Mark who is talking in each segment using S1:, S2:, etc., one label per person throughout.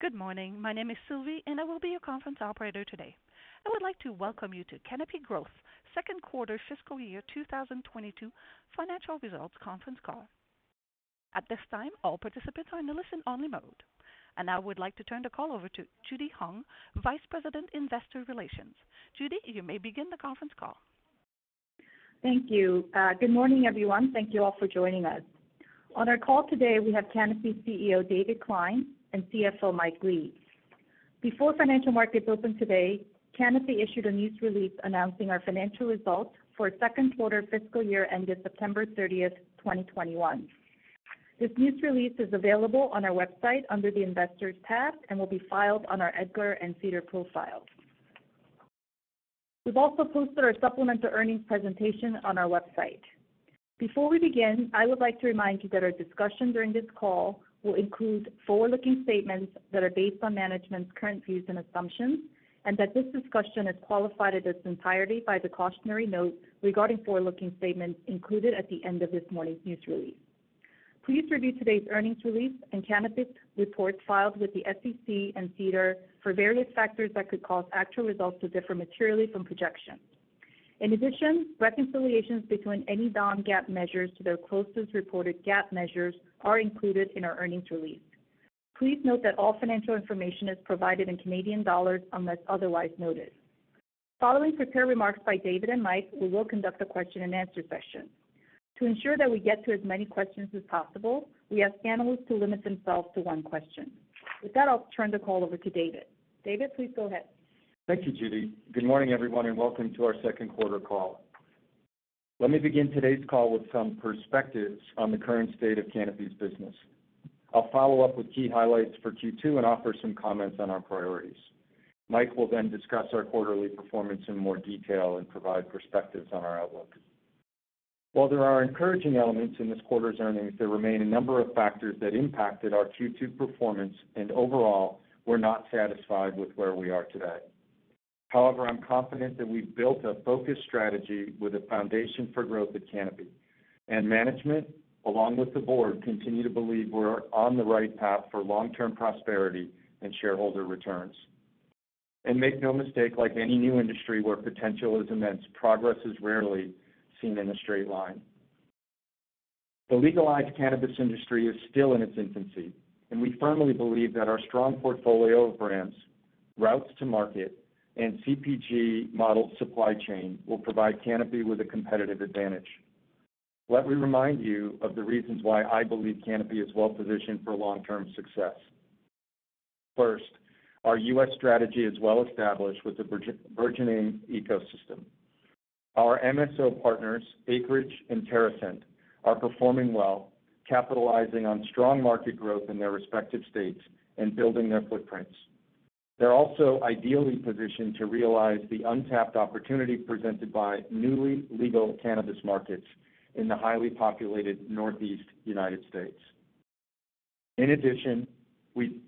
S1: Good morning. My name is Sylvie, and I will be your conference operator today. I would like to welcome you to Canopy Growth second quarter fiscal year 2022 financial results conference call. At this time, all participants are in a listen only mode. I now would like to turn the call over to Judy Hong, Vice President, Investor Relations. Judy, you may begin the conference call.
S2: Thank you. Good morning, everyone. Thank you all for joining us. On our call today, we have Canopy CEO, David Klein, and CFO, Mike Lee. Before financial markets opened today, Canopy issued a news release announcing our financial results for second quarter fiscal year ended September 30, 2021. This news release is available on our website under the Investors tab and will be filed on our EDGAR and SEDAR profiles. We've also posted our supplemental earnings presentation on our website. Before we begin, I would like to remind you that our discussion during this call will include forward-looking statements that are based on management's current views and assumptions, and that this discussion is qualified in its entirety by the cautionary note regarding forward-looking statements included at the end of this morning's news release. Please review today's earnings release and Canopy's reports filed with the SEC and SEDAR for various factors that could cause actual results to differ materially from projections. In addition, reconciliations between any non-GAAP measures to their closest reported GAAP measures are included in our earnings release. Please note that all financial information is provided in Canadian dollars unless otherwise noted. Following prepared remarks by David and Mike, we will conduct a question and answer session. To ensure that we get to as many questions as possible, we ask analysts to limit themselves to one question. With that, I'll turn the call over to David. David, please go ahead.
S3: Thank you, Judy. Good morning, everyone, and welcome to our second quarter call. Let me begin today's call with some perspectives on the current state of Canopy's business. I'll follow up with key highlights for Q2 and offer some comments on our priorities. Mike will then discuss our quarterly performance in more detail and provide perspectives on our outlook. While there are encouraging elements in this quarter's earnings, there remain a number of factors that impacted our Q2 performance, and overall, we're not satisfied with where we are today. However, I'm confident that we've built a focused strategy with a foundation for growth at Canopy. Management, along with the board, continue to believe we're on the right path for long-term prosperity and shareholder returns. Make no mistake, like any new industry where potential is immense, progress is rarely seen in a straight line. The legalized cannabis industry is still in its infancy, and we firmly believe that our strong portfolio of brands, routes to market, and CPG model supply chain will provide Canopy with a competitive advantage. Let me remind you of the reasons why I believe Canopy is well-positioned for long-term success. First, our U.S. strategy is well established with a burgeoning ecosystem. Our MSO partners, Acreage and TerrAscend, are performing well, capitalizing on strong market growth in their respective states and building their footprints. They're also ideally positioned to realize the untapped opportunity presented by newly legal cannabis markets in the highly populated Northeast United States. In addition, we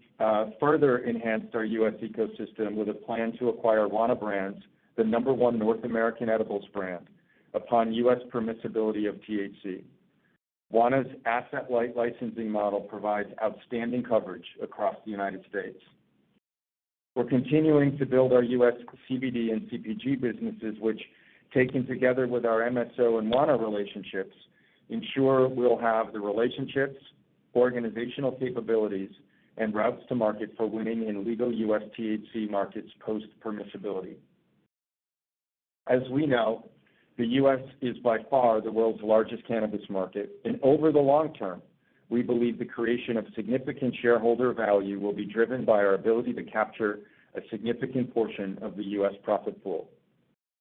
S3: further enhanced our U.S. ecosystem with a plan to acquire Wana Brands, the number one North American edibles brand, upon U.S. permissibility of THC. Wana's asset-light licensing model provides outstanding coverage across the United States. We're continuing to build our U.S. CBD and CPG businesses, which, taken together with our MSO and Wana relationships, ensure we'll have the relationships, organizational capabilities, and routes to market for winning in legal U.S. THC markets post-permissibility. As we know, the U.S. is by far the world's largest cannabis market. Over the long term, we believe the creation of significant shareholder value will be driven by our ability to capture a significant portion of the U.S. profit pool.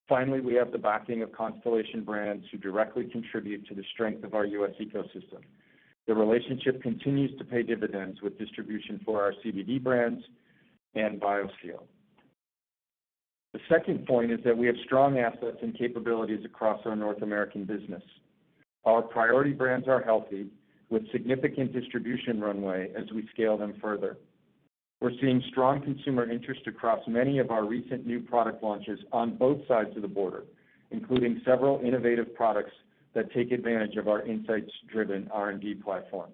S3: Finally, we have the backing of Constellation Brands, who directly contribute to the strength of our U.S. ecosystem. The relationship continues to pay dividends with distribution for our CBD brands and BioSteel. The second point is that we have strong assets and capabilities across our North American business. Our priority brands are healthy with significant distribution runway as we scale them further. We're seeing strong consumer interest across many of our recent new product launches on both sides of the border, including several innovative products that take advantage of our insights-driven R&D platform.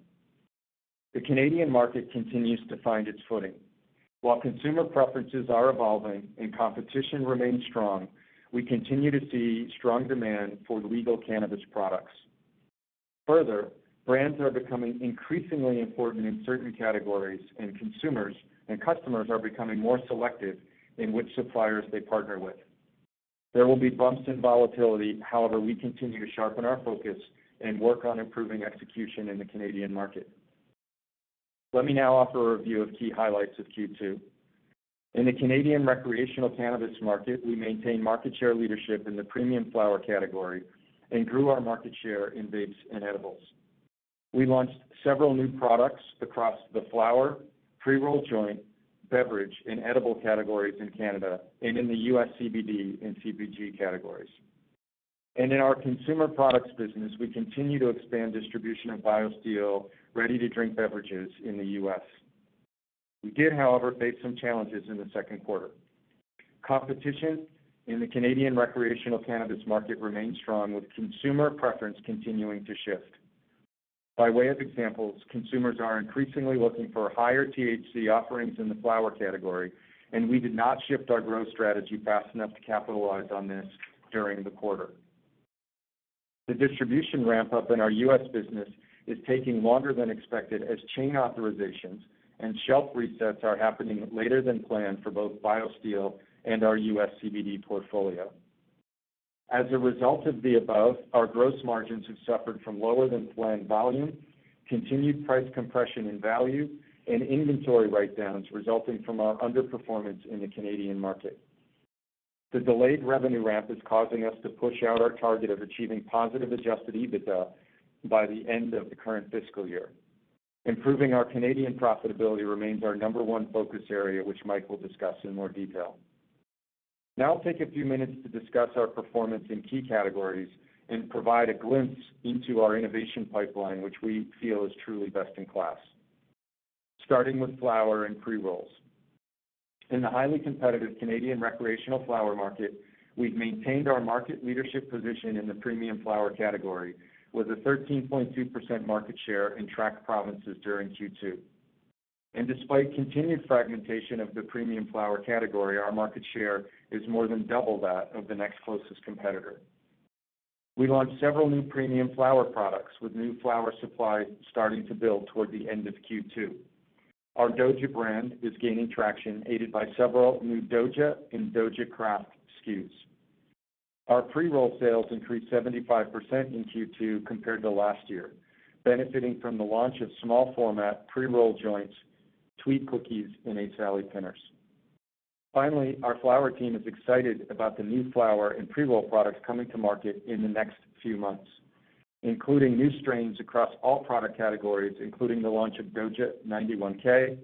S3: The Canadian market continues to find its footing. While consumer preferences are evolving and competition remains strong, we continue to see strong demand for legal cannabis products. Further, brands are becoming increasingly important in certain categories, and consumers and customers are becoming more selective in which suppliers they partner with. There will be bumps and volatility. However, we continue to sharpen our focus and work on improving execution in the Canadian market. Let me now offer a review of key highlights of Q2. In the Canadian recreational cannabis market, we maintain market share leadership in the premium flower category and grew our market share in vapes and edibles. We launched several new products across the flower, pre-rolled joint, beverage, and edible categories in Canada and in the U.S. CBD and CPG categories. In our consumer products business, we continue to expand distribution of BioSteel ready-to-drink beverages in the U.S. We did, however, face some challenges in the second quarter. Competition in the Canadian recreational cannabis market remains strong, with consumer preference continuing to shift. By way of examples, consumers are increasingly looking for higher THC offerings in the flower category, and we did not shift our growth strategy fast enough to capitalize on this during the quarter. The distribution ramp-up in our U.S. business is taking longer than expected as chain authorizations and shelf resets are happening later than planned for both BioSteel and our U.S. CBD portfolio. As a result of the above, our gross margins have suffered from lower than planned volume, continued price compression and value, and inventory write-downs resulting from our underperformance in the Canadian market. The delayed revenue ramp is causing us to push out our target of achieving positive adjusted EBITDA by the end of the current fiscal year. Improving our Canadian profitability remains our number one focus area, which Mike will discuss in more detail. Now I'll take a few minutes to discuss our performance in key categories and provide a glimpse into our innovation pipeline, which we feel is truly best in class. Starting with flower and pre-rolls. In the highly competitive Canadian recreational flower market, we've maintained our market leadership position in the premium flower category with a 13.2% market share in tracked provinces during Q2. Despite continued fragmentation of the premium flower category, our market share is more than double that of the next closest competitor. We launched several new premium flower products with new flower supply starting to build toward the end of Q2. Our DOJA brand is gaining traction, aided by several new DOJA and DOJA Craft SKUs. Our pre-roll sales increased 75% in Q2 compared to last year, benefiting from the launch of small format pre-roll joints, Tweed Quickies, and Ace Valley Pinners. Finally, our flower team is excited about the new flower and pre-roll products coming to market in the next few months, including new strains across all product categories, including the launch of DOJA 91K,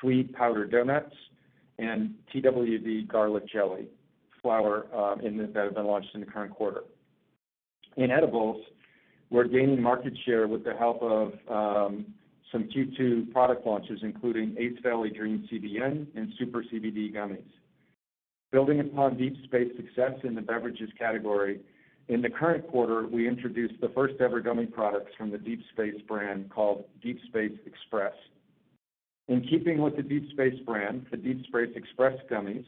S3: Tweed Powdered Donuts, and Twd. Garlic Jelly flower that have been launched in the current quarter. In edibles, we're gaining market share with the help of some Q2 product launches, including Ace Valley Dream CBN and Super CBD Gummies. Building upon Deep Space success in the beverages category, in the current quarter, we introduced the first-ever gummy products from the Deep Space brand called Deep Space XPRESS. In keeping with the Deep Space brand, the Deep Space XPRESS gummies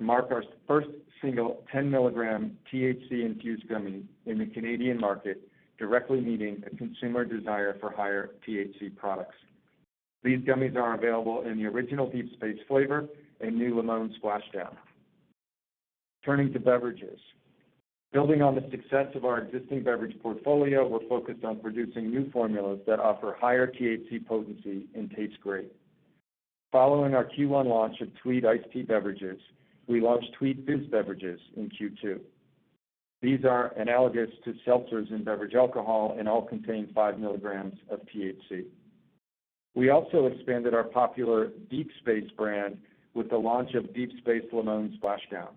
S3: mark our first single 10 mg THC-infused gummy in the Canadian market, directly meeting a consumer desire for higher THC products. These gummies are available in the original Deep Space flavor and new Limon Splashdown. Turning to beverages. Building on the success of our existing beverage portfolio, we're focused on producing new formulas that offer higher THC potency and taste great. Following our Q1 launch of Tweed Iced Tea beverages, we launched Tweed Fizz beverages in Q2. These are analogous to seltzers in beverage alcohol and all contain five milligrams of THC. We also expanded our popular Deep Space brand with the launch of Deep Space Limon Splashdown.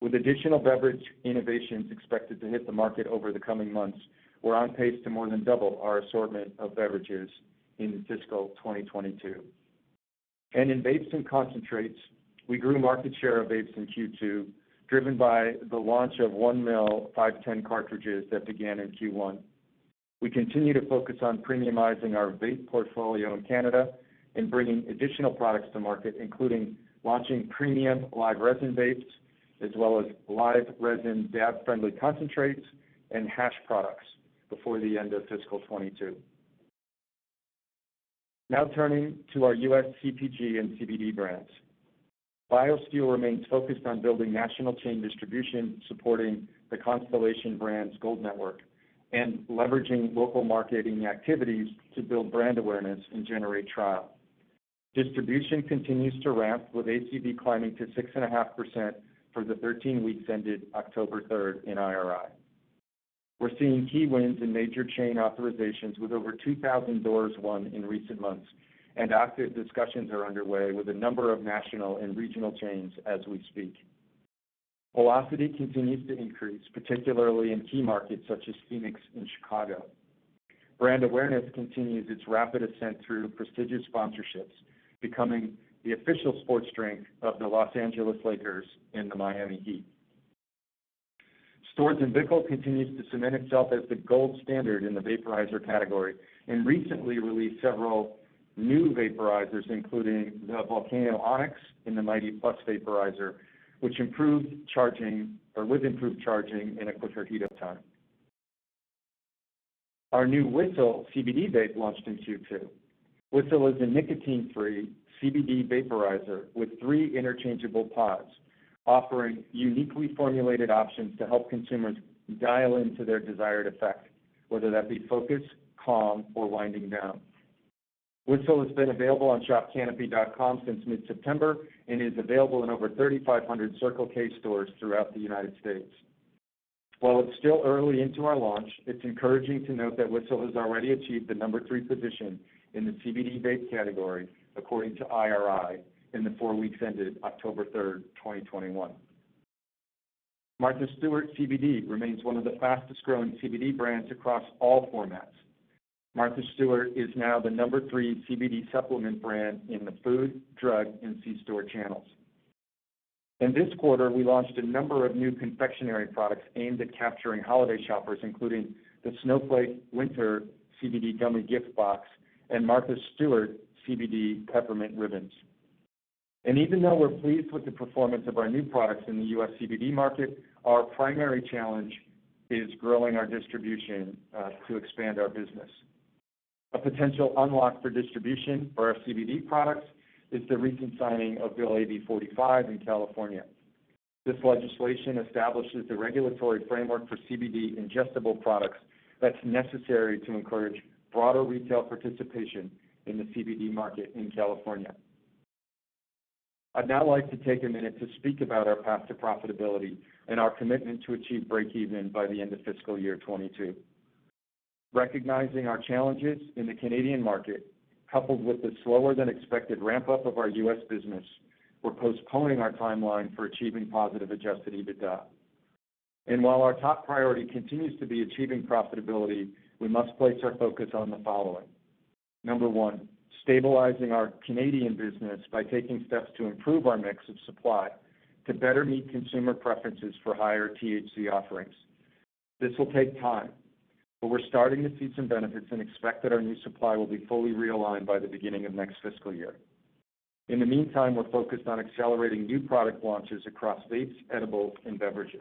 S3: With additional beverage innovations expected to hit the market over the coming months, we're on pace to more than double our assortment of beverages in fiscal 2022. In vapes and concentrates, we grew market share of vapes in Q2, driven by the launch of 1mL 510 cartridges that began in Q1. We continue to focus on premiumizing our vape portfolio in Canada and bringing additional products to market, including launching premium live resin vapes as well as live resin dab-friendly concentrates and hash products before the end of fiscal 2022. Now turning to our U.S. CPG and CBD brands. BioSteel remains focused on building national chain distribution, supporting the Constellation Brands Gold Network and leveraging local marketing activities to build brand awareness and generate trial. Distribution continues to ramp with ACV climbing to 6.5% for the 13 weeks ended October third in IRI. We're seeing key wins in major chain authorizations with over 2,000 doors won in recent months, and active discussions are underway with a number of national and regional chains as we speak. Velocity continues to increase, particularly in key markets such as Phoenix and Chicago. Brand awareness continues its rapid ascent through prestigious sponsorships, becoming the official sports drink of the Los Angeles Lakers and the Miami Heat. Storz & Bickel continues to cement itself as the gold standard in the vaporizer category and recently released several new vaporizers, including the VOLCANO ONYX and the MIGHTY+ vaporizer, with improved charging and a quicker heat-up time. Our new whisl CBD vape launched in Q2. Whisl is a nicotine-free CBD vaporizer with three interchangeable pods offering uniquely formulated options to help consumers dial into their desired effect, whether that be focus, calm, or winding down. Whisl has been available on shopcanopy.com since mid-September and is available in over 3,500 Circle K stores throughout the United States. While it's still early into our launch, it's encouraging to note that whisl has already achieved the number 3 position in the CBD vape category according to IRI in the 4 weeks ended October 3, 2021. Martha Stewart CBD remains one of the fastest-growing CBD brands across all formats. Martha Stewart is now the number 3 CBD supplement brand in the food, drug, and C-store channels. In this quarter, we launched a number of new confectionery products aimed at capturing holiday shoppers, including the Snowflake CBD Gummy Sampler and Martha Stewart CBD Peppermint Ribbons. Even though we're pleased with the performance of our new products in the U.S. CBD market, our primary challenge is growing our distribution to expand our business. A potential unlock for distribution for our CBD products is the recent signing of AB 45 in California. This legislation establishes the regulatory framework for CBD ingestible products that's necessary to encourage broader retail participation in the CBD market in California. I'd now like to take a minute to speak about our path to profitability and our commitment to achieve breakeven by the end of fiscal year 2022. Recognizing our challenges in the Canadian market, coupled with the slower than expected ramp-up of our U.S. business, we're postponing our timeline for achieving positive adjusted EBITDA. While our top priority continues to be achieving profitability, we must place our focus on the following. Number 1, stabilizing our Canadian business by taking steps to improve our mix of supply to better meet consumer preferences for higher THC offerings. This will take time, but we're starting to see some benefits and expect that our new supply will be fully realigned by the beginning of next fiscal year. In the meantime, we're focused on accelerating new product launches across vapes, edibles, and beverages.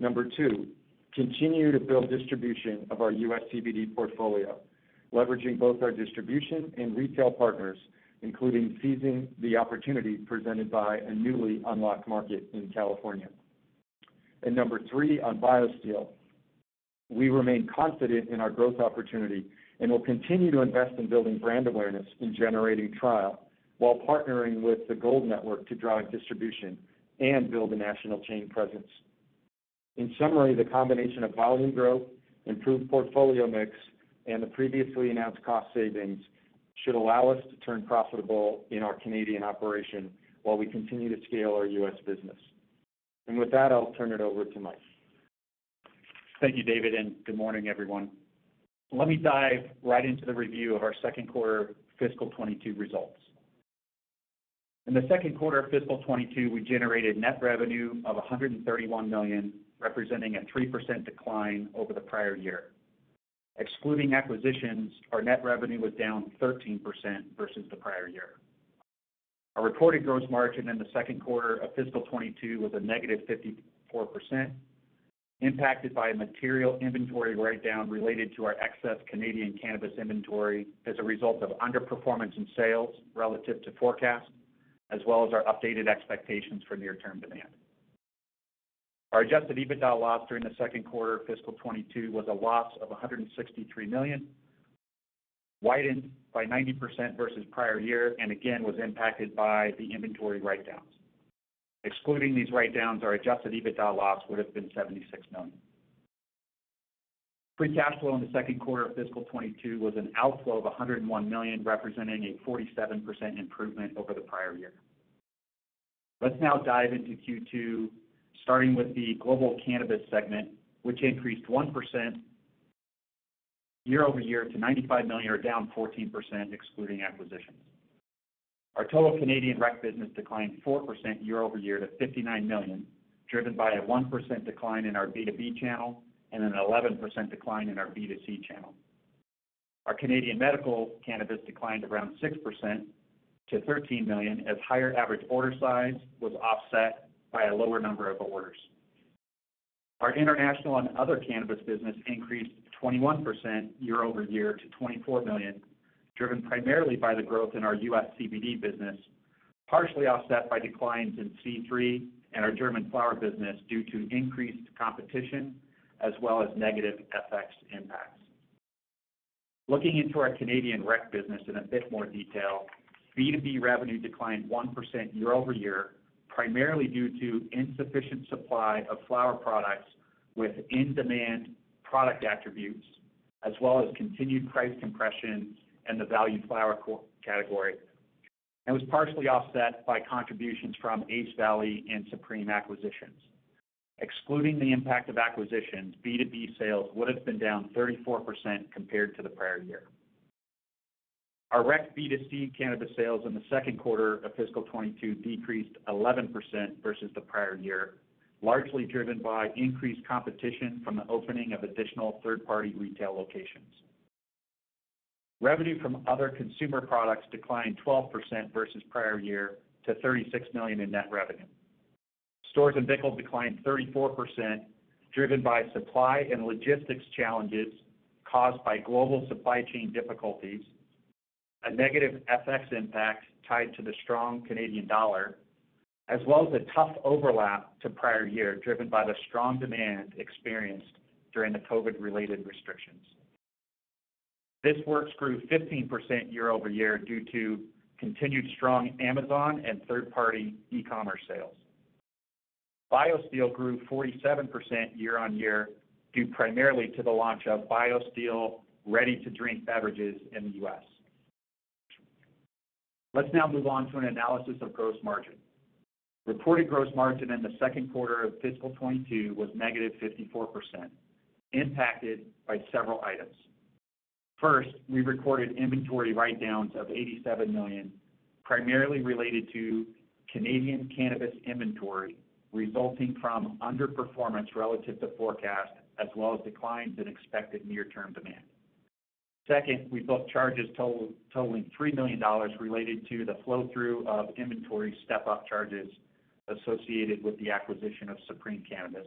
S3: Number 2, continue to build distribution of our U.S. CBD portfolio, leveraging both our distribution and retail partners, including seizing the opportunity presented by a newly unlocked market in California. Number 3, on BioSteel. We remain confident in our growth opportunity and will continue to invest in building brand awareness and generating trial, while partnering with the Gold Network to drive distribution and build a national chain presence. In summary, the combination of volume growth, improved portfolio mix, and the previously announced cost savings should allow us to turn profitable in our Canadian operation while we continue to scale our U.S. business. With that, I'll turn it over to Mike.
S4: Thank you, David, and good morning, everyone. Let me dive right into the review of our second quarter FY 2022 results. In the second quarter of FY 2022, we generated net revenue of 131 million, representing a 3% decline over the prior year. Excluding acquisitions, our net revenue was down 13% versus the prior year. Our reported gross margin in the second quarter of FY 2022 was -54%, impacted by a material inventory write-down related to our excess Canadian cannabis inventory as a result of underperformance in sales relative to forecast, as well as our updated expectations for near-term demand. Our adjusted EBITDA loss during the second quarter of FY 2022 was a loss of 163 million, widened by 90% versus prior year, and again was impacted by the inventory write-downs. Excluding these write-downs, our adjusted EBITDA loss would have been 76 million. Free cash flow in the second quarter of fiscal 2022 was an outflow of 101 million, representing a 47% improvement over the prior year. Let's now dive into Q2, starting with the global cannabis segment, which increased 1% year-over-year to 95 million, or down 14% excluding acquisitions. Our total Canadian rec business declined 4% year-over-year to 59 million, driven by a 1% decline in our B2B channel and an 11% decline in our B2C channel. Our Canadian medical cannabis declined around 6% to 13 million as higher average order size was offset by a lower number of orders. Our international and other cannabis business increased 21% year-over-year to 24 million, driven primarily by the growth in our U.S. CBD business, partially offset by declines in C3 and our German flower business due to increased competition as well as negative FX impacts. Looking into our Canadian rec business in a bit more detail, B2B revenue declined 1% year-over-year, primarily due to insufficient supply of flower products with in-demand product attributes as well as continued price compression in the value flower category, and was partially offset by contributions from Ace Valley and Supreme acquisitions. Excluding the impact of acquisitions, B2B sales would have been down 34% compared to the prior year. Our rec B2C cannabis sales in the second quarter of fiscal 2022 decreased 11% versus the prior year, largely driven by increased competition from the opening of additional third-party retail locations. Revenue from other consumer products declined 12% versus prior year to 36 million in net revenue. Storz and Bickel declined 34%, driven by supply and logistics challenges caused by global supply chain difficulties, a negative FX impact tied to the strong Canadian dollar, as well as a tough overlap to prior year, driven by the strong demand experienced during the COVID-19-related restrictions. This Works grew 15% year-over-year due to continued strong Amazon and third-party e-commerce sales. BioSteel grew 47% year-over-year due primarily to the launch of BioSteel ready-to-drink beverages in the U.S. Let's now move on to an analysis of gross margin. Reported gross margin in the second quarter of fiscal 2022 was -54%, impacted by several items. First, we recorded inventory write-downs of 87 million, primarily related to Canadian cannabis inventory resulting from underperformance relative to forecast, as well as declines in expected near-term demand. Second, we booked charges totaling 3 million dollars related to the flow-through of inventory step-up charges associated with the acquisition of Supreme Cannabis.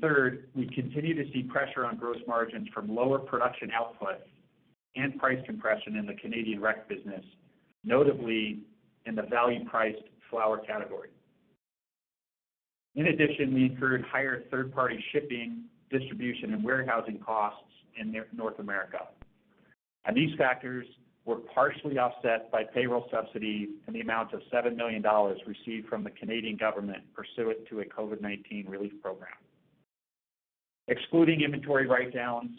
S4: Third, we continue to see pressure on gross margins from lower production output and price compression in the Canadian rec business, notably in the value-priced flower category. In addition, we incurred higher third-party shipping, distribution, and warehousing costs in North America. These factors were partially offset by payroll subsidies in the amount of 7 million dollars received from the Canadian government pursuant to a COVID-19 relief program. Excluding inventory write-downs,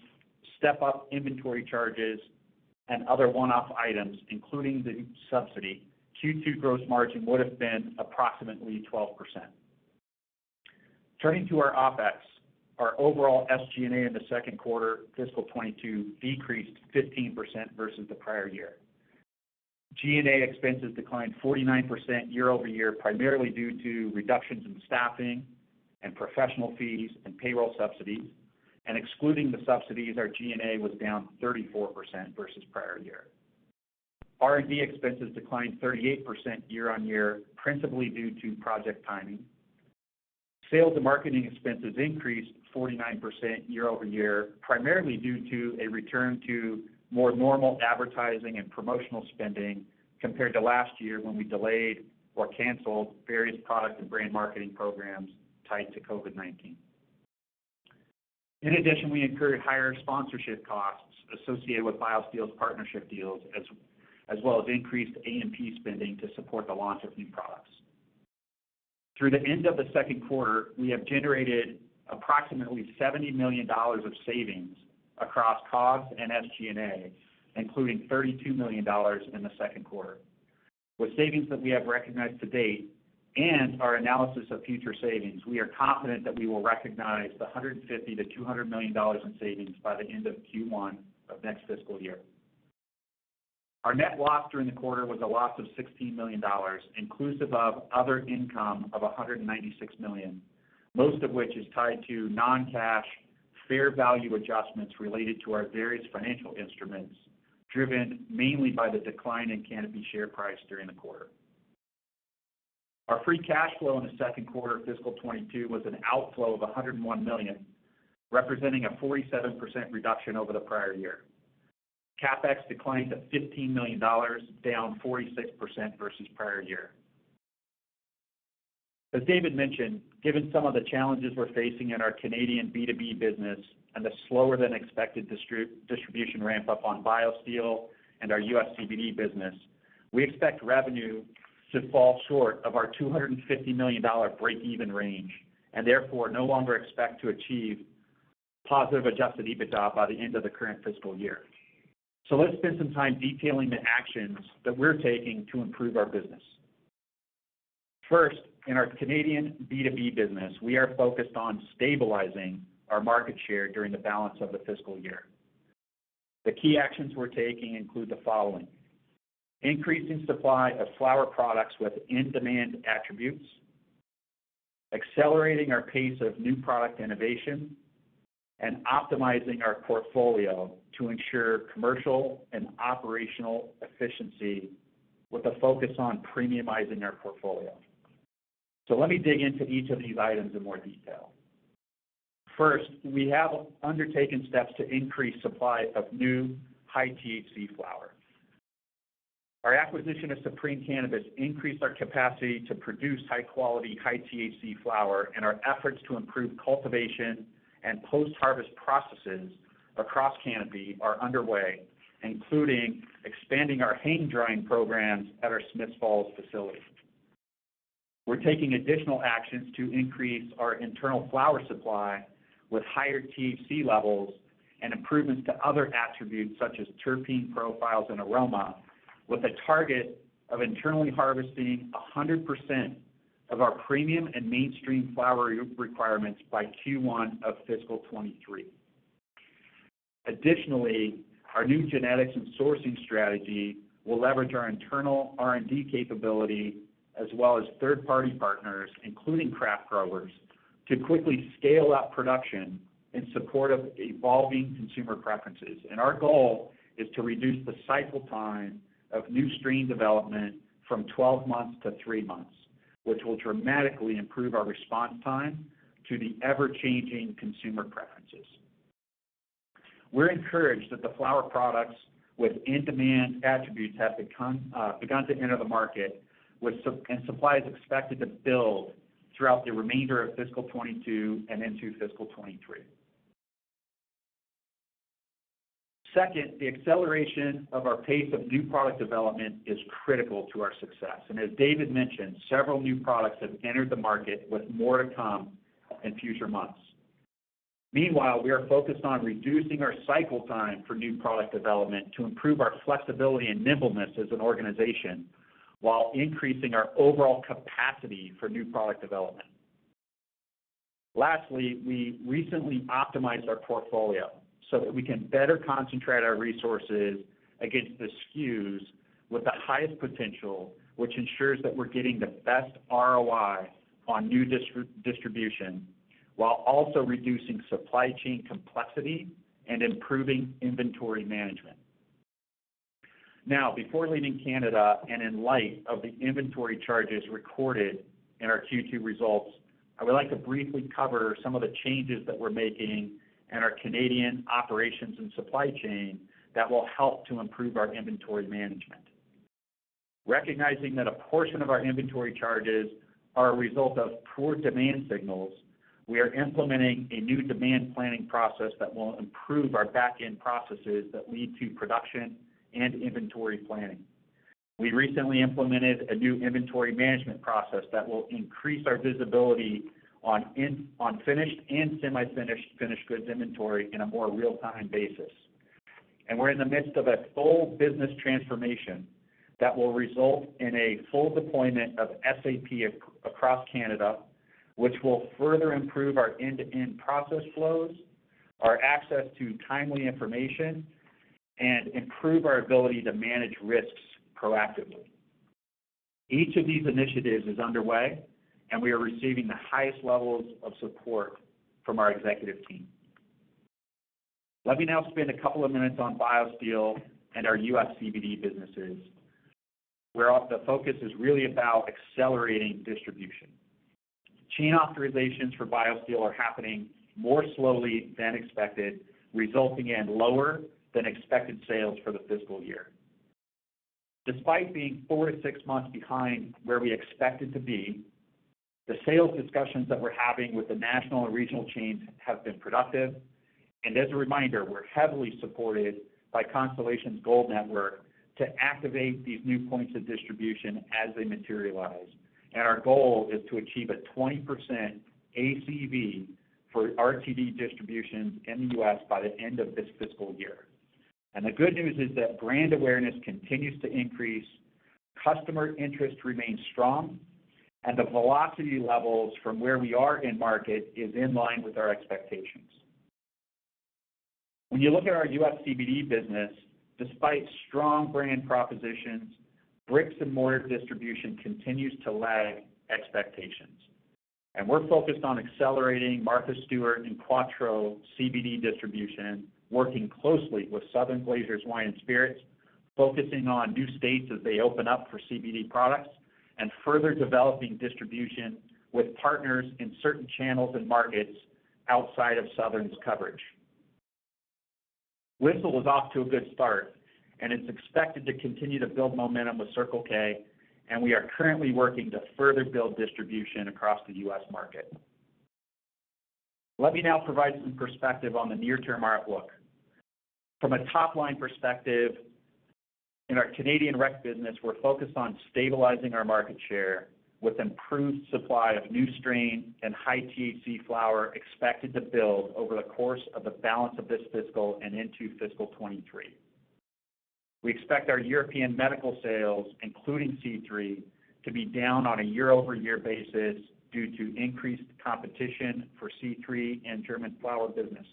S4: step-up inventory charges, and other one-off items, including the subsidy, Q2 gross margin would have been approximately 12%. Turning to our OpEx, our overall SG&A in the second quarter of fiscal 2022 decreased 15% versus the prior year. G&A expenses declined 49% year-over-year, primarily due to reductions in staffing and professional fees and payroll subsidies. Excluding the subsidies, our G&A was down 34% versus prior year. R&D expenses declined 38% year-over-year, principally due to project timing. Sales and marketing expenses increased 49% year-over-year, primarily due to a return to more normal advertising and promotional spending compared to last year when we delayed or canceled various product and brand marketing programs tied to COVID-19. In addition, we incurred higher sponsorship costs associated with BioSteel's partnership deals as well as increased A&P spending to support the launch of new products. Through the end of the second quarter, we have generated approximately 70 million dollars of savings across COGS and SG&A, including 32 million dollars in the second quarter. With savings that we have recognized to date and our analysis of future savings, we are confident that we will recognize 150 million-200 million dollars in savings by the end of Q1 of next fiscal year. Our net loss during the quarter was a loss of 16 million dollars, inclusive of other income of 196 million, most of which is tied to non-cash fair value adjustments related to our various financial instruments, driven mainly by the decline in Canopy share price during the quarter. Our free cash flow in the second quarter of fiscal 2022 was an outflow of 101 million, representing a 47% reduction over the prior year. CapEx declined to 15 million dollars, down 46% versus prior year. As David mentioned, given some of the challenges we're facing in our Canadian B2B business and the slower-than-expected distribution ramp-up on BioSteel and our U.S. CBD business, we expect revenue to fall short of our 250 million dollar breakeven range, and therefore no longer expect to achieve positive adjusted EBITDA by the end of the current fiscal year. Let's spend some time detailing the actions that we're taking to improve our business. First, in our Canadian B2B business, we are focused on stabilizing our market share during the balance of the fiscal year. The key actions we're taking include the following. Increasing supply of flower products with in-demand attributes, accelerating our pace of new product innovation, and optimizing our portfolio to ensure commercial and operational efficiency with a focus on premiumizing our portfolio. Let me dig into each of these items in more detail. First, we have undertaken steps to increase supply of new high-THC flower. Our acquisition of Supreme Cannabis increased our capacity to produce high-quality, high-THC flower, and our efforts to improve cultivation and post-harvest processes across Canopy are underway, including expanding our hang-drying programs at our Smiths Falls facility. We're taking additional actions to increase our internal flower supply with higher THC levels and improvements to other attributes such as terpene profiles and aroma, with a target of internally harvesting 100% of our premium and mainstream flower requirements by Q1 of fiscal 2023. Additionally, our new genetics and sourcing strategy will leverage our internal R&D capability as well as third-party partners, including craft growers, to quickly scale up production in support of evolving consumer preferences. Our goal is to reduce the cycle time of new strain development from 12 months to 3 months, which will dramatically improve our response time to the ever-changing consumer preferences. We're encouraged that the flower products with in-demand attributes have begun to enter the market and supply is expected to build throughout the remainder of fiscal 2022 and into fiscal 2023. Second, the acceleration of our pace of new product development is critical to our success. As David mentioned, several new products have entered the market with more to come in future months. Meanwhile, we are focused on reducing our cycle time for new product development to improve our flexibility and nimbleness as an organization, while increasing our overall capacity for new product development. Lastly, we recently optimized our portfolio so that we can better concentrate our resources against the SKUs with the highest potential, which ensures that we're getting the best ROI on new distribution, while also reducing supply chain complexity and improving inventory management. Now, before leaving Canada, and in light of the inventory charges recorded in our Q2 results, I would like to briefly cover some of the changes that we're making in our Canadian operations and supply chain that will help to improve our inventory management. Recognizing that a portion of our inventory charges are a result of poor demand signals, we are implementing a new demand planning process that will improve our back-end processes that lead to production and inventory planning. We recently implemented a new inventory management process that will increase our visibility on finished and semi-finished goods inventory in a more real-time basis. We're in the midst of a full business transformation that will result in a full deployment of SAP across Canada, which will further improve our end-to-end process flows, our access to timely information, and improve our ability to manage risks proactively. Each of these initiatives is underway, and we are receiving the highest levels of support from our executive team. Let me now spend a couple of minutes on BioSteel and our U.S. CBD businesses, where the focus is really about accelerating distribution. Chain authorizations for BioSteel are happening more slowly than expected, resulting in lower than expected sales for the fiscal year. Despite being 4 to 6 months behind where we expected to be, the sales discussions that we're having with the national and regional chains have been productive. As a reminder, we're heavily supported by Constellation's Gold Network to activate these new points of distribution as they materialize. Our goal is to achieve a 20% ACV for RTD distributions in the U.S. by the end of this fiscal year. The good news is that brand awareness continues to increase, customer interest remains strong, and the velocity levels from where we are in market is in line with our expectations. When you look at our U.S. CBD business, despite strong brand propositions, bricks-and-mortar distribution continues to lag expectations. We're focused on accelerating Martha Stewart and Quatreau CBD distribution, working closely with Southern Glazer's Wine & Spirits, focusing on new states as they open up for CBD products, and further developing distribution with partners in certain channels and markets outside of Southern's coverage. Whisl was off to a good start and is expected to continue to build momentum with Circle K, and we are currently working to further build distribution across the U.S. market. Let me now provide some perspective on the near-term outlook. From a top-line perspective, in our Canadian rec business, we're focused on stabilizing our market share with improved supply of new strain and high-THC flower expected to build over the course of the balance of this fiscal and into fiscal 2023. We expect our European medical sales, including C3, to be down on a year-over-year basis due to increased competition for C3 and German flower business.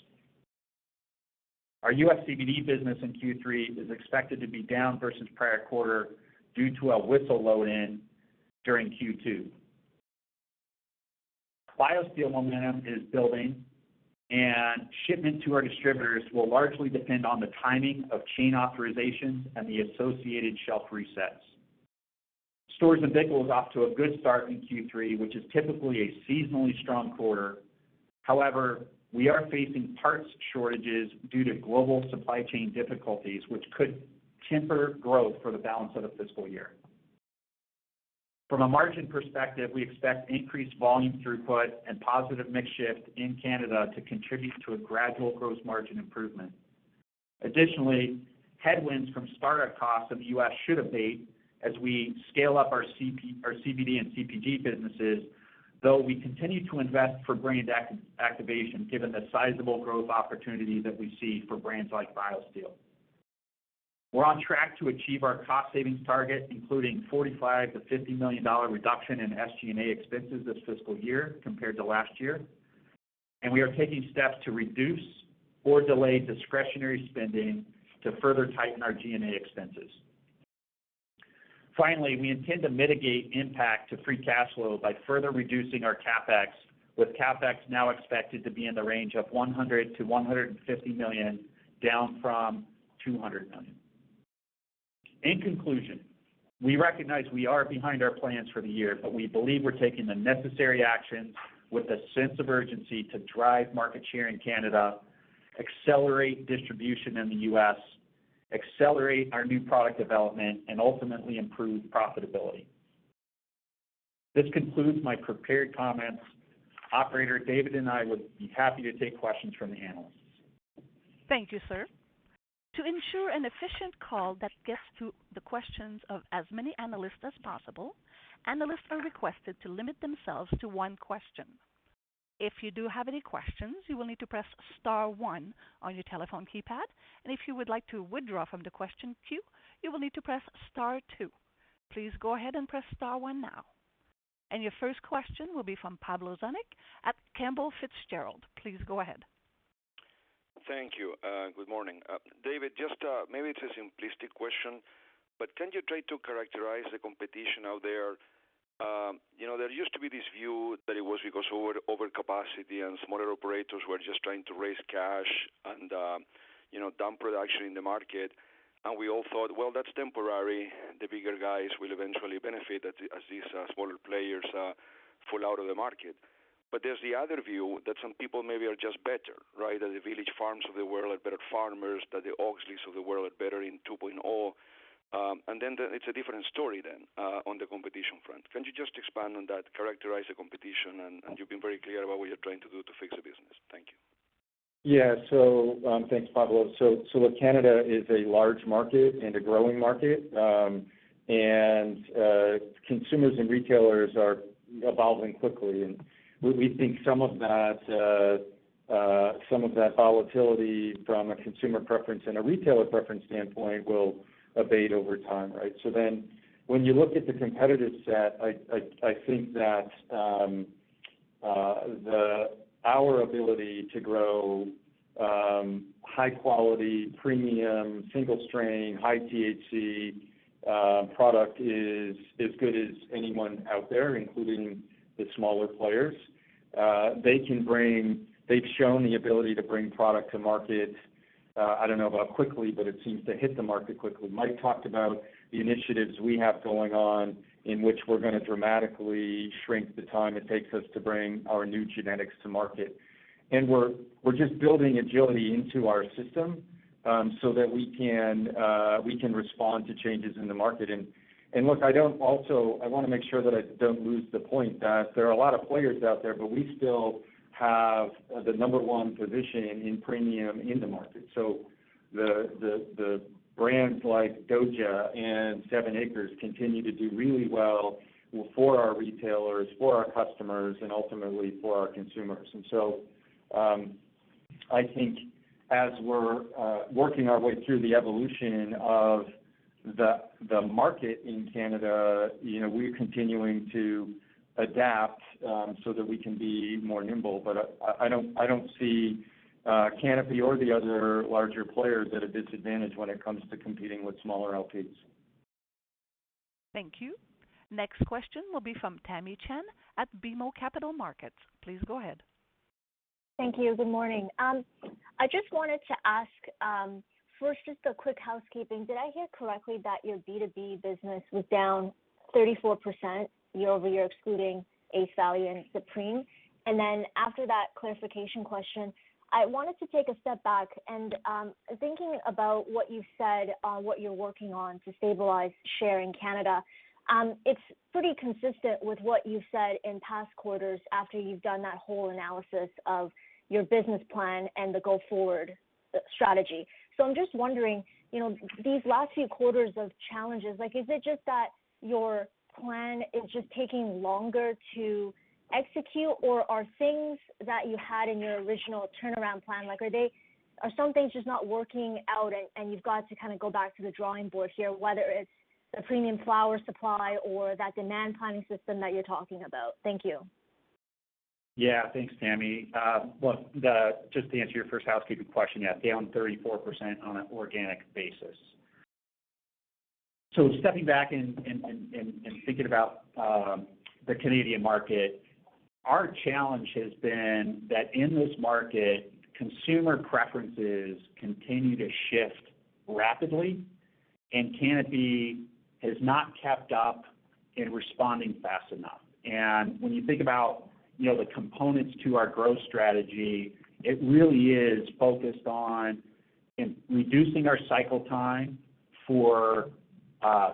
S4: Our U.S. CBD business in Q3 is expected to be down versus prior quarter due to a whisl load-in during Q2. BioSteel momentum is building, and shipment to our distributors will largely depend on the timing of chain authorizations and the associated shelf resets. Storz & Bickel is off to a good start in Q3, which is typically a seasonally strong quarter. However, we are facing parts shortages due to global supply chain difficulties, which could temper growth for the balance of the fiscal year. From a margin perspective, we expect increased volume throughput and positive mix shift in Canada to contribute to a gradual gross margin improvement. Additionally, headwinds from startup costs in the U.S. should abate as we scale up our CBD and CPG businesses, though we continue to invest for brand activation, given the sizable growth opportunity that we see for brands like BioSteel. We're on track to achieve our cost savings target, including 45 to 50 million reduction in SG&A expenses this fiscal year compared to last year. We are taking steps to reduce or delay discretionary spending to further tighten our SG&A expenses. Finally, we intend to mitigate impact to free cash flow by further reducing our CapEx, with CapEx now expected to be in the range of 100 to 150 million, down from 200 million. In conclusion, we recognize we are behind our plans for the year, but we believe we're taking the necessary actions with a sense of urgency to drive market share in Canada, accelerate distribution in the U.S., accelerate our new product development, and ultimately improve profitability. This concludes my prepared comments. Operator, David and I would be happy to take questions from the analysts.
S1: Thank you, sir. To ensure an efficient call that gets to the questions of as many analysts as possible, analysts are requested to limit themselves to one question. If you do have any questions, you will need to press star one on your telephone keypad. If you would like to withdraw from the question queue, you will need to press star two. Please go ahead and press star one now. Your first question will be from Pablo Zuanic at Cantor Fitzgerald. Please go ahead.
S5: Thank you. Good morning. David, just maybe it's a simplistic question, but can you try to characterize the competition out there? You know, there used to be this view that it was because overcapacity and smaller operators were just trying to raise cash and, you know, dump production in the market. We all thought, well, that's temporary. The bigger guys will eventually benefit as these smaller players fall out of the market. There's the other view that some people maybe are just better, right? That the Village Farms of the world are better farmers, that the Auxly of the world are better in 2.0, and then it's a different story then on the competition front. Can you just expand on that, characterize the competition? You've been very clear about what you're trying to do to fix the business. Thank you.
S3: Thanks, Pablo. Look, Canada is a large market and a growing market, and consumers and retailers are evolving quickly. We think some of that volatility from a consumer preference and a retailer preference standpoint will abate over time. Right? When you look at the competitive set, I think that our ability to grow high quality, premium, single strain, high THC product is as good as anyone out there, including the smaller players. They've shown the ability to bring product to market. I don't know about quickly, but it seems to hit the market quickly. Mike talked about the initiatives we have going on in which we're gonna dramatically shrink the time it takes us to bring our new genetics to market. We're just building agility into our system, so that we can respond to changes in the market. Look, I wanna make sure that I don't lose the point that there are a lot of players out there, but we still have the number one position in premium in the market. The brands like DOJA and 7ACRES continue to do really well for our retailers, for our customers and ultimately for our consumers. I think as we're working our way through the evolution of the market in Canada, you know, we're continuing to adapt, so that we can be more nimble. I don't see Canopy or the other larger players at a disadvantage when it comes to competing with smaller LPs.
S1: Thank you. Next question will be from Tamy Chen at BMO Capital Markets. Please go ahead.
S6: Thank you. Good morning. I just wanted to ask, first just a quick housekeeping. Did I hear correctly that your B2B business was down 34% year-over-year, excluding Ace Valley and Supreme? After that clarification question, I wanted to take a step back and, thinking about what you said on what you're working on to stabilize share in Canada, it's pretty consistent with what you said in past quarters after you've done that whole analysis of your business plan and the go-forward strategy. I'm just wondering, you know, these last few quarters of challenges, like, is it just that your plan is just taking longer to execute? Or are things that you had in your original turnaround plan, like, are they... Are some things just not working out and you've got to kind of go back to the drawing board here, whether it's the premium flower supply or that demand planning system that you're talking about? Thank you.
S4: Yeah. Thanks, Tamy. Just to answer your first housekeeping question, yeah, down 34% on an organic basis. Stepping back and thinking about the Canadian market, our challenge has been that in this market, consumer preferences continue to shift rapidly, and Canopy has not kept up in responding fast enough. When you think about, you know, the components to our growth strategy, it really is focused on reducing our cycle time for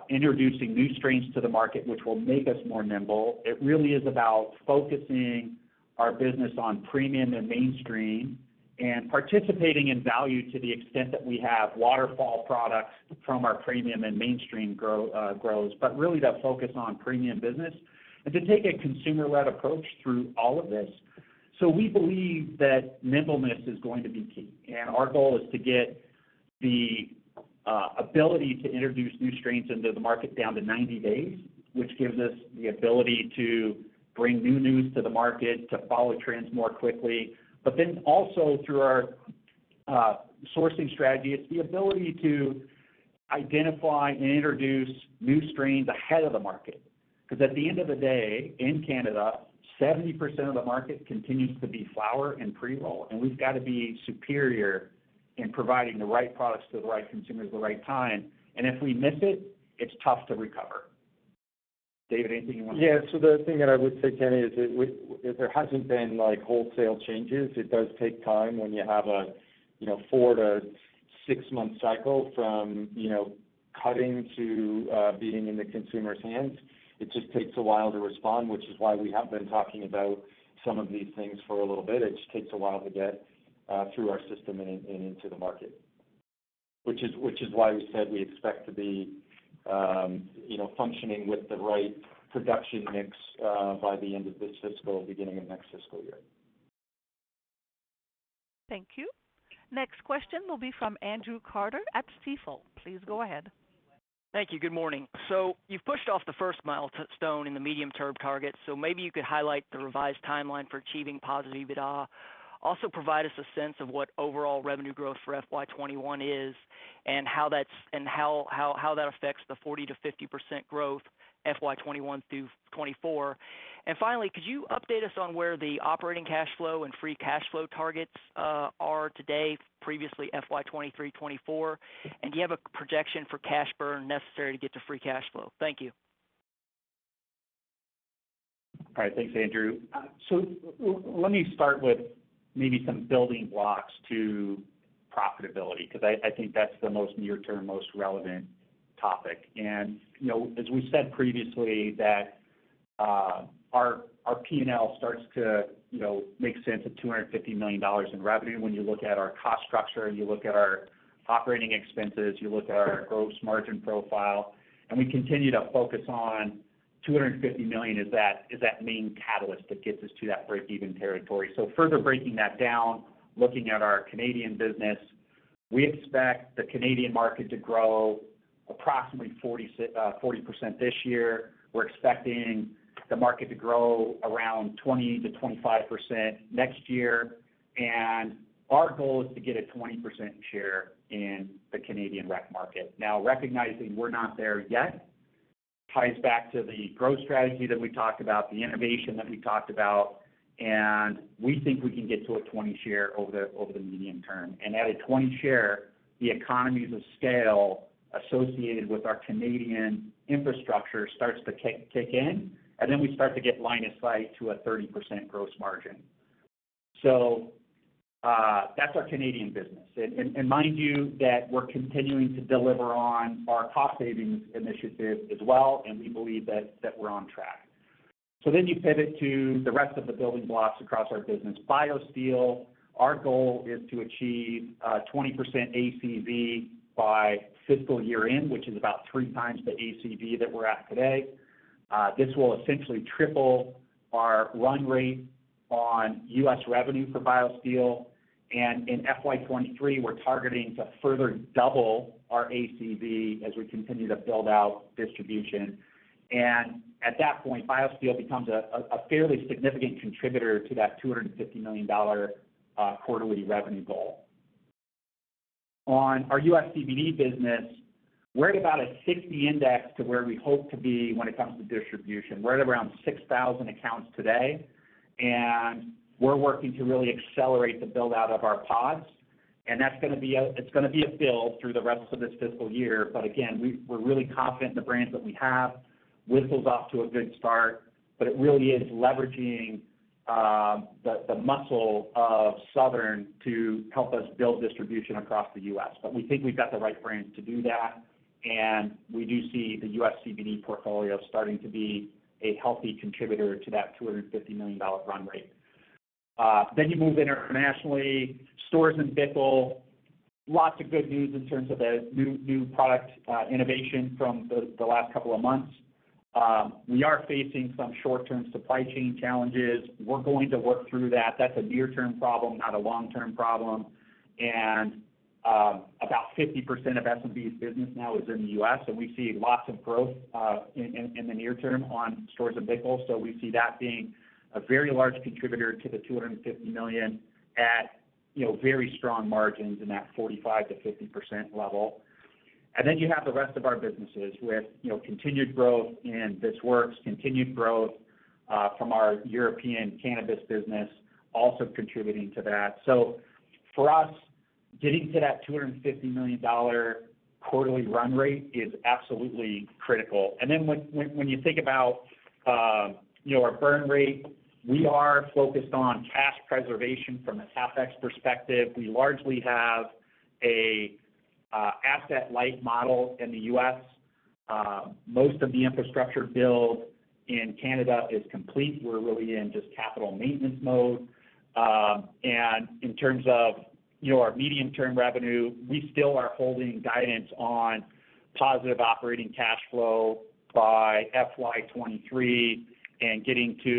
S4: introducing new strains to the market, which will make us more nimble. It really is about focusing our business on premium and mainstream and participating in value to the extent that we have waterfall products from our premium and mainstream grows, but really that focus on premium business and to take a consumer-led approach through all of this. We believe that nimbleness is going to be key, and our goal is to get the ability to introduce new strains into the market down to 90 days, which gives us the ability to bring new news to the market, to follow trends more quickly. Also through our sourcing strategy, it's the ability to identify and introduce new strains ahead of the market, because at the end of the day, in Canada, 70% of the market continues to be flower and pre-roll, and we've got to be superior in providing the right products to the right consumers at the right time. And if we miss it's tough to recover. David, anything you want to say?
S3: Yeah. The thing that I would say, Tamy, is that we there hasn't been, like, wholesale changes. It does take time when you have a, you know, four to Six-month cycle from, you know, cutting to being in the consumer's hands. It just takes a while to respond, which is why we have been talking about some of these things for a little bit. It just takes a while to get through our system and into the market. Which is why we said we expect to be, you know, functioning with the right production mix by the end of this fiscal, beginning of next fiscal year.
S1: Thank you. Next question will be from Andrew Carter at Stifel. Please go ahead.
S7: Thank you. Good morning. You've pushed off the first milestone in the medium-term target, so maybe you could highlight the revised timeline for achieving positive EBITDA. Also provide us a sense of what overall revenue growth for FY 2021 is and how that affects the 40% to 50% growth FY 2021 through 2024. Finally, could you update us on where the operating cash flow and free cash flow targets are today, previously FY 2023, 2024? Do you have a projection for cash burn necessary to get to free cash flow? Thank you.
S4: All right. Thanks, Andrew. Let me start with maybe some building blocks to profitability, because I think that's the most near term, most relevant topic. As we said previously, that our P&L starts to make sense at 250 million dollars in revenue. When you look at our cost structure and you look at our operating expenses, you look at our gross margin profile, and we continue to focus on 250 million, that's the main catalyst that gets us to that breakeven territory. Further breaking that down, looking at our Canadian business, we expect the Canadian market to grow approximately 40% this year. We're expecting the market to grow around 20% to 25% next year, and our goal is to get a 20% share in the Canadian rec market. Recognizing we're not there yet ties back to the growth strategy that we talked about, the innovation that we talked about, and we think we can get to a 20% share over the medium term. At a 20% share, the economies of scale associated with our Canadian infrastructure starts to kick in, and then we start to get line of sight to a 30% gross margin. That's our Canadian business. Mind you that we're continuing to deliver on our cost savings initiatives as well, and we believe that we're on track. You pivot to the rest of the building blocks across our business. BioSteel, our goal is to achieve 20% ACV by fiscal year-end, which is about three times the ACV that we're at today. This will essentially triple our run rate on U.S. revenue for BioSteel. In FY 2023, we're targeting to further double our ACV as we continue to build out distribution. At that point, BioSteel becomes a fairly significant contributor to that $250 million quarterly revenue goal. On our U.S. CBD business, we're at about a 60 index to where we hope to be when it comes to distribution. We're at around 6,000 accounts today, and we're working to really accelerate the build-out of our pods, and it's gonna be a build through the rest of this fiscal year. Again, we're really confident in the brands that we have. whisl off to a good start. It really is leveraging the muscle of Southern to help us build distribution across the U.S. We think we've got the right brands to do that, and we do see the U.S. CBD portfolio starting to be a healthy contributor to that $250 million run rate. You move internationally, Storz & Bickel, lots of good news in terms of the new product innovation from the last couple of months. We are facing some short-term supply chain challenges. We're going to work through that. That's a near-term problem, not a long-term problem. About 50% of S&B's business now is in the U.S., and we see lots of growth in the near term on Storz & Bickel. We see that being a very large contributor to the 250 million at, you know, very strong margins in that 45% to 50% level. Then you have the rest of our businesses with, you know, continued growth in This Works, continued growth from our European cannabis business also contributing to that. For us, getting to that 250 million-dollar quarterly run rate is absolutely critical. Then when you think about, you know, our burn rate, we are focused on cash preservation from a CapEx perspective. We largely have a asset-light model in the U.S. Most of the infrastructure build in Canada is complete. We're really in just capital maintenance mode. In terms of, you know, our medium-term revenue, we still are holding guidance on positive operating cash flow by FY 2023 and getting to,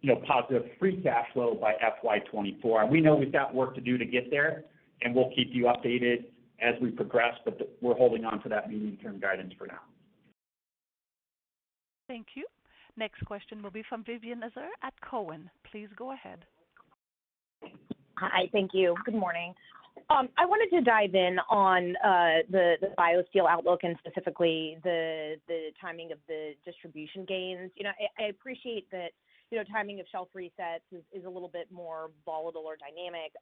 S4: you know, positive free cash flow by FY 2024. We know we've got work to do to get there, and we'll keep you updated as we progress, but we're holding on to that medium-term guidance for now.
S1: Thank you. Next question will be from Vivien Azer at Cowen. Please go ahead.
S8: Hi. Thank you. Good morning. I wanted to dive in on the BioSteel outlook and specifically the timing of the distribution gains. You know, I appreciate that you know, timing of shelf resets is a little bit more volatile or dynamic,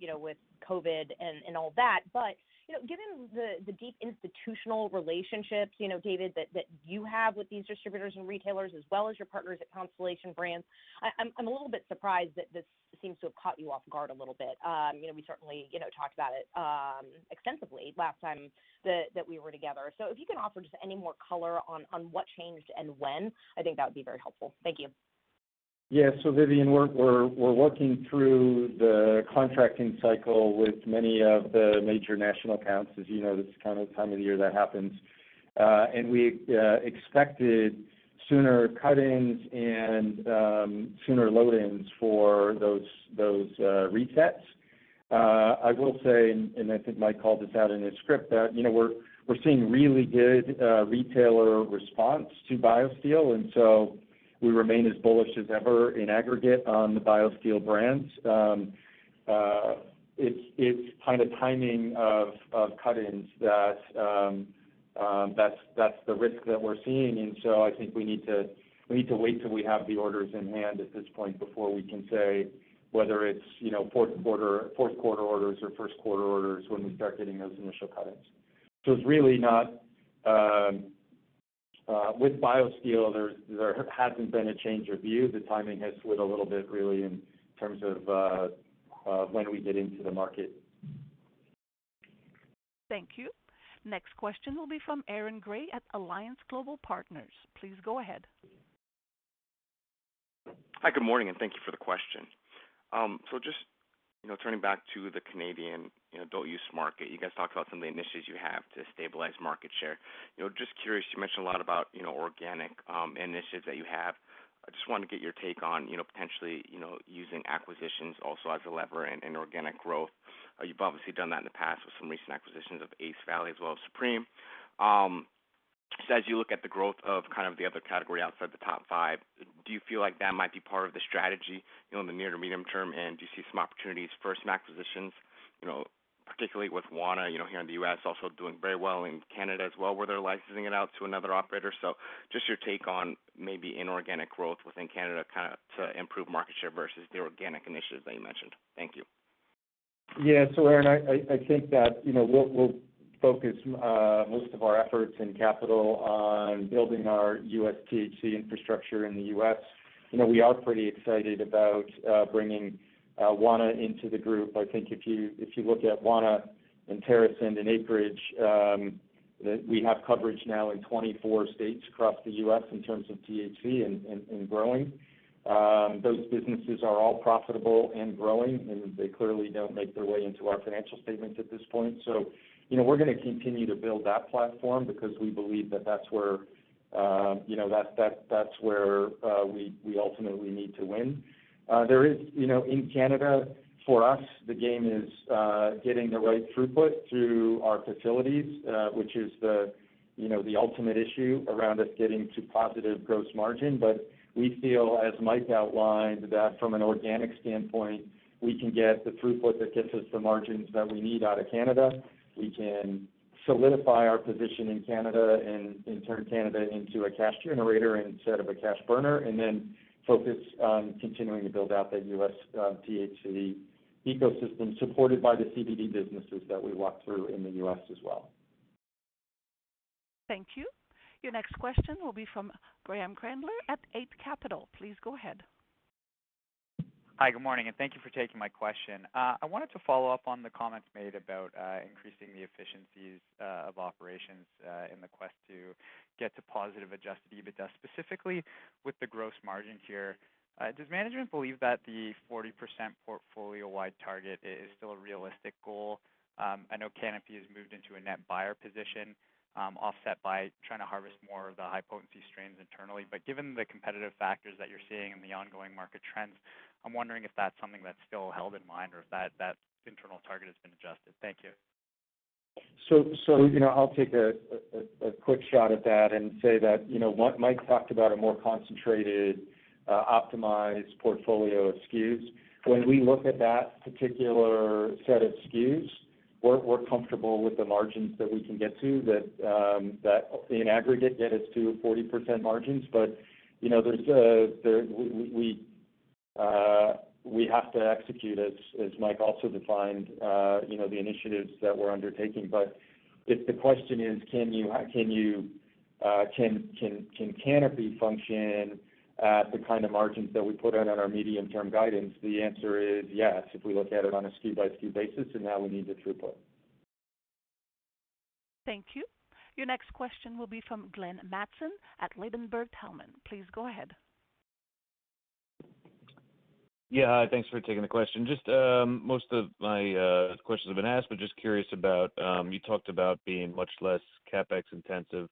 S8: you know, with COVID and all that. You know, given the deep institutional relationships, you know, David, that you have with these distributors and retailers as well as your partners at Constellation Brands, I'm a little bit surprised that this seems to have caught you off guard a little bit. You know, we certainly you know, talked about it extensively last time that we were together. If you can offer just any more color on what changed and when, I think that would be very helpful. Thank you.
S3: Vivien, we're working through the contracting cycle with many of the major national accounts. As you know, this is kind of the time of year that happens. We expected sooner cut-ins and sooner load-ins for those resets. I will say, I think Mike called this out in his script, that you know, we're seeing really good retailer response to BioSteel, and we remain as bullish as ever in aggregate on the BioSteel brands. It's kind of the timing of cut-ins that's the risk that we're seeing. I think we need to wait till we have the orders in hand at this point before we can say whether it's, you know, fourth quarter orders or first quarter orders when we start getting those initial cut-ins. It's really not, with BioSteel, there hasn't been a change of view. The timing has slid a little bit really in terms of when we get into the market.
S1: Thank you. Next question will be from Aaron Gray at Alliance Global Partners. Please go ahead.
S9: Hi, good morning, and thank you for the question. So just, you know, turning back to the Canadian adult use market, you guys talked about some of the initiatives you have to stabilize market share. You know, just curious, you mentioned a lot about, you know, organic initiatives that you have. I just want to get your take on, you know, potentially, you know, using acquisitions also as a lever in inorganic growth. You've obviously done that in the past with some recent acquisitions of Ace Valley as well as Supreme. So as you look at the growth of kind of the other category outside the top five, do you feel like that might be part of the strategy, you know, in the near to medium term? Do you see some opportunities for some acquisitions, you know, particularly with Wana, you know, here in the U.S., also doing very well in Canada as well, where they're licensing it out to another operator. Just your take on maybe inorganic growth within Canada, kind of to improve market share versus the organic initiatives that you mentioned. Thank you.
S3: Yeah. Aaron, I think that, you know, we'll focus most of our efforts and capital on building our U.S. THC infrastructure in the U.S. You know, we are pretty excited about bringing Wana into the group. I think if you look at Wana and TerrAscend and Acreage, we have coverage now in 24 states across the U.S. in terms of THC and growing. Those businesses are all profitable and growing, and they clearly don't make their way into our financial statements at this point. You know, we're gonna continue to build that platform because we believe that that's where, you know, that's where we ultimately need to win. There is, you know, in Canada, for us, the game is getting the right throughput through our facilities, which is the, you know, the ultimate issue around us getting to positive gross margin. We feel, as Mike outlined, that from an organic standpoint, we can get the throughput that gets us the margins that we need out of Canada. We can solidify our position in Canada and turn Canada into a cash generator instead of a cash burner, and then focus on continuing to build out that US THC ecosystem supported by the CBD businesses that we walk through in the US as well.
S1: Thank you. Your next question will be from Graham Kreindler at Eight Capital. Please go ahead.
S10: Hi, good morning, and thank you for taking my question. I wanted to follow up on the comments made about increasing the efficiencies of operations in the quest to get to positive adjusted EBITDA, specifically with the gross margin here. Does management believe that the 40% portfolio-wide target is still a realistic goal? I know Canopy has moved into a net buyer position, offset by trying to harvest more of the high-potency strains internally. Given the competitive factors that you're seeing and the ongoing market trends, I'm wondering if that's something that's still held in mind or if that internal target has been adjusted. Thank you.
S3: You know, I'll take a quick shot at that and say that, you know, what Mike talked about a more concentrated, optimized portfolio of SKUs. When we look at that particular set of SKUs, we're comfortable with the margins that we can get to that in aggregate get us to 40% margins. You know, we have to execute, as Mike also defined, you know, the initiatives that we're undertaking. If the question is, can Canopy function at the kind of margins that we put out on our medium-term guidance, the answer is yes, if we look at it on a SKU by SKU basis, and now we need the throughput.
S1: Thank you. Your next question will be from Glenn Mattson at Ladenburg Thalmann. Please go ahead.
S11: Yeah. Thanks for taking the question. Just most of my questions have been asked, but just curious about you talked about being much less CapEx intensive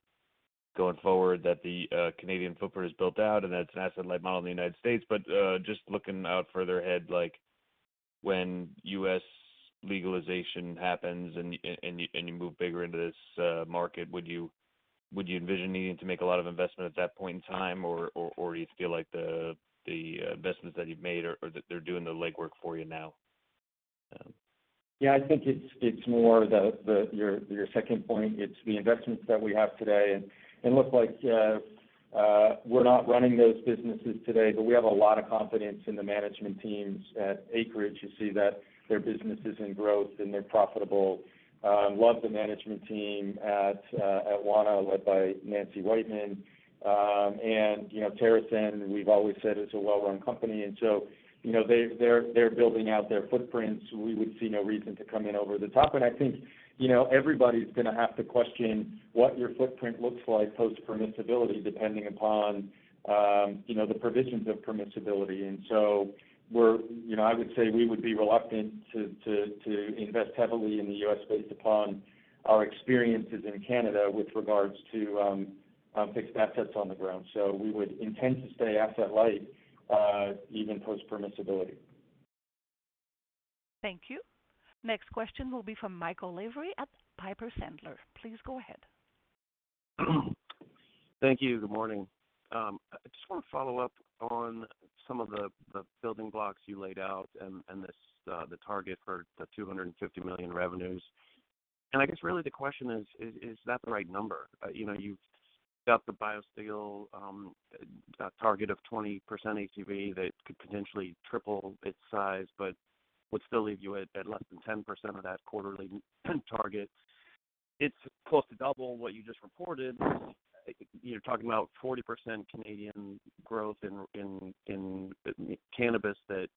S11: going forward, that the Canadian footprint is built out and that it's an asset-light model in the United States. Just looking out further ahead, like when U.S. legalization happens and you move bigger into this market, would you envision needing to make a lot of investment at that point in time? Or do you feel like the investments that you've made are doing the legwork for you now?
S3: Yeah, I think it's more your second point. It's the investments that we have today, and it looks like we're not running those businesses today, but we have a lot of confidence in the management teams at Acreage to see that their business is in growth and they're profitable. Love the management team at Wana, led by Nancy Whiteman. You know, TerrAscend, we've always said it's a well-run company. You know, they're building out their footprints. We would see no reason to come in over the top. I think, you know, everybody's gonna have to question what your footprint looks like post-permissibility depending upon, you know, the provisions of permissibility. We're, you know, I would say we would be reluctant to invest heavily in the U.S. based upon our experiences in Canada with regards to fixed assets on the ground. We would intend to stay asset light even post permissibility.
S1: Thank you. Next question will be from Michael Lavery at Piper Sandler. Please go ahead.
S12: Thank you. Good morning. I just wanna follow up on some of the building blocks you laid out and this, the target for 250 million revenues. I guess really the question is: Is that the right number? You know, you've got the BioSteel target of 20% ACV that could potentially triple its size, but would still leave you at less than 10% of that quarterly target. It's close to double what you just reported. You're talking about 40% Canadian growth in cannabis that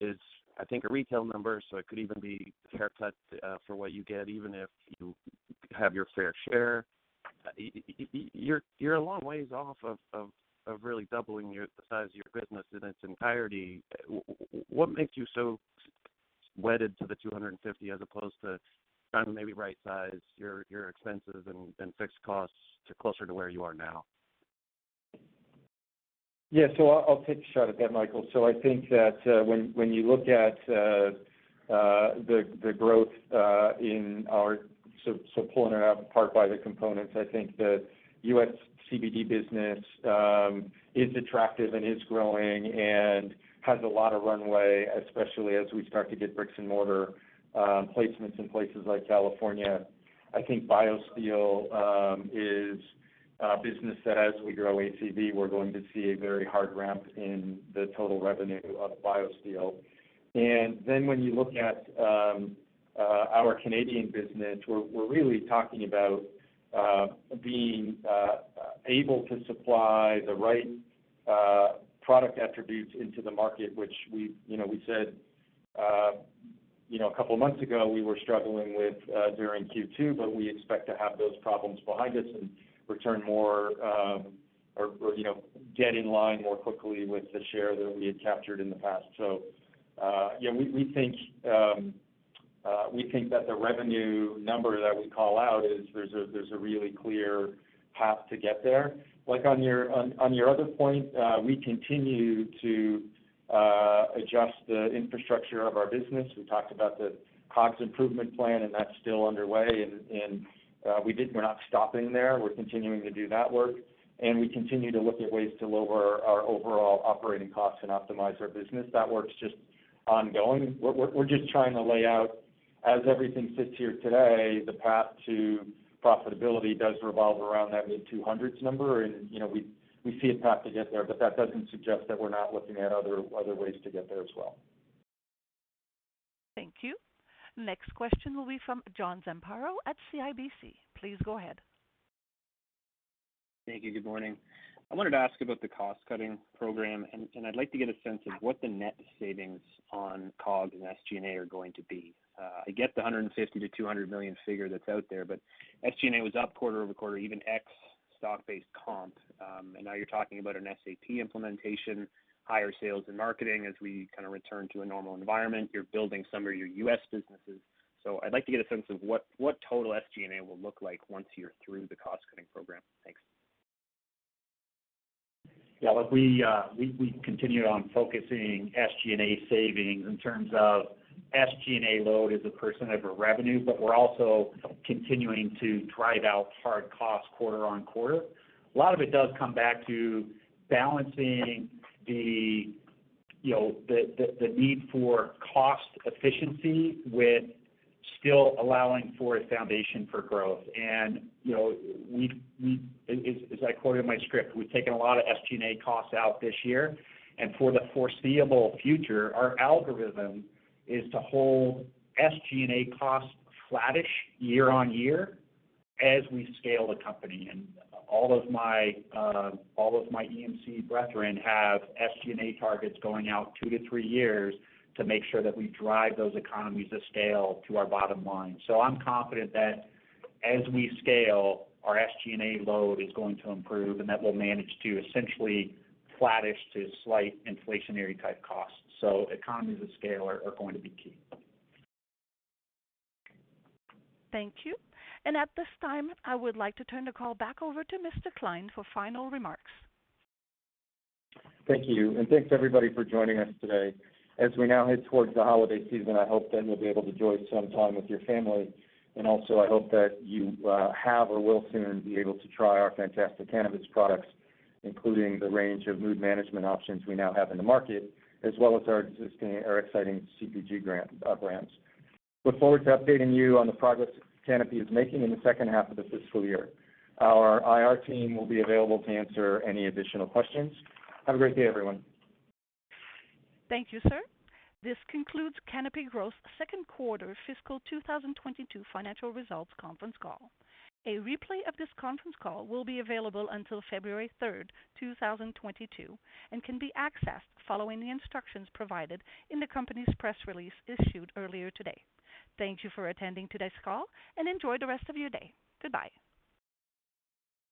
S12: is, I think, a retail number, so it could even be haircut for what you get even if you have your fair share. You're a long ways off of really doubling the size of your business in its entirety. What makes you so wedded to the 250 as opposed to trying to maybe right size your expenses and fixed costs closer to where you are now?
S3: I'll take a shot at that, Michael. I think that, pulling it apart by the components, the U.S. CBD business is attractive and is growing and has a lot of runway, especially as we start to get bricks and mortar placements in places like California. I think BioSteel is a business that as we grow ACV, we're going to see a very hard ramp in the total revenue of BioSteel. When you look at our Canadian business, we're really talking about being able to supply the right product attributes into the market, which we, you know, we said, you know, a couple of months ago, we were struggling with during Q2, but we expect to have those problems behind us and return more, you know, get in line more quickly with the share that we had captured in the past. You know, we think that the revenue number that we call out is, there's a really clear path to get there. Like on your other point, we continue to adjust the infrastructure of our business. We talked about the COGS improvement plan, and that's still underway. We're not stopping there. We're continuing to do that work, and we continue to look at ways to lower our overall operating costs and optimize our business. That work's just ongoing. We're just trying to lay out as everything sits here today, the path to profitability does revolve around that mid-200s number. You know, we see a path to get there, but that doesn't suggest that we're not looking at other ways to get there as well.
S1: Thank you. Next question will be from John Zamparo at CIBC. Please go ahead.
S13: Thank you. Good morning. I wanted to ask about the cost-cutting program, and I'd like to get a sense of what the net savings on COGS and SG&A are going to be. I get the 150 to 200 million figure that's out there, but SG&A was up quarter-over-quarter, even ex stock-based comp. And now you're talking about an SAP implementation, higher sales in marketing as we kind of return to a normal environment. You're building some of your U.S. businesses. I'd like to get a sense of what total SG&A will look like once you're through the cost-cutting program. Thanks.
S4: Yeah. Look, we continue on focusing SG&A savings in terms of SG&A load as a percentage of our revenue, but we're also continuing to drive out hard costs quarter-over-quarter. A lot of it does come back to balancing, you know, the need for cost efficiency with still allowing for a foundation for growth. You know, as I quoted in my script, we've taken a lot of SG&A costs out this year. For the foreseeable future, our algorithm is to hold SG&A costs flattish year-over-year as we scale the company. All of my ELT brethren have SG&A targets going out two to three years to make sure that we drive those economies of scale to our bottom line. I'm confident that as we scale, our SG&A load is going to improve and that we'll manage to essentially flattish to slight inflationary type costs. Economies of scale are going to be key.
S1: Thank you. At this time, I would like to turn the call back over to Mr. Klein for final remarks.
S3: Thank you. Thanks everybody for joining us today. As we now head towards the holiday season, I hope that you'll be able to enjoy some time with your family. I hope that you have or will soon be able to try our fantastic cannabis products, including the range of mood management options we now have in the market, as well as our existing, exciting CPG brands. Look forward to updating you on the progress Canopy is making in the second half of the fiscal year. Our IR team will be available to answer any additional questions. Have a great day, everyone.
S1: Thank you, sir. This concludes Canopy Growth's second quarter fiscal 2022 financial results conference call. A replay of this conference call will be available until February third, 2022, and can be accessed following the instructions provided in the company's press release issued earlier today. Thank you for attending today's call and enjoy the rest of your day. Goodbye.